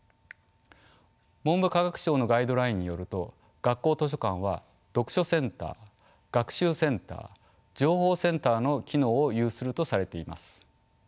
文部科学省のガイドラインによると学校図書館は読書センター学習センター情報センターの機能を有するとされています。